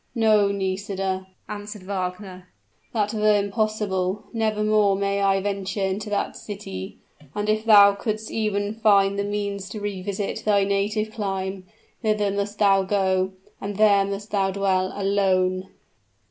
"No Nisida," answered Wagner; "that were impossible! Never more may I venture into that city and if thou couldst even find the means to revisit thy native clime, thither must thou go, and there must thou dwell alone!"